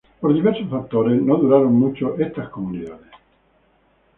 Por diversos factores no duraron mucho estas comunidades.